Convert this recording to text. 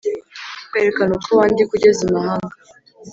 Kwerekana uko wandikwa ugeze imahanga